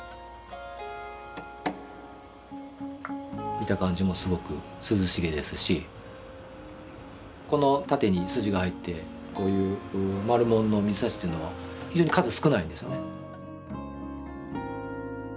見た感じもすごく涼しげですしこの縦に筋が入ってこういう丸文の水指というのは非常に数少ないんですよね。